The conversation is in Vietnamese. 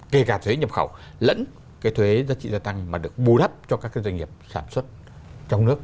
kể cả thuế nhập khẩu lẫn cái thuế giá trị gia tăng mà được bù đắp cho các cái doanh nghiệp sản xuất trong nước